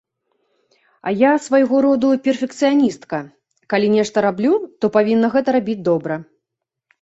А я свайго роду перфекцыяністка, калі нешта раблю, то павінна гэта рабіць добра.